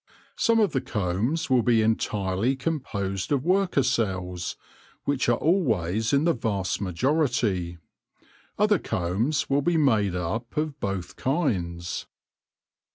Some of the combs will be entirely composed of worker cells, which are always in the vast majority ; other combs will be made up of both kinds.